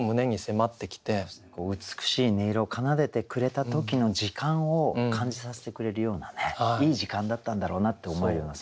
美しい音色を奏でてくれた時の時間を感じさせてくれるようなねいい時間だったんだろうなって思えるようなそんな句ですよね。